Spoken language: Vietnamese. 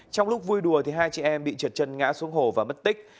trong lúc vui đùa hai chị em bị trượt chân ngã xuống hồ và mất tích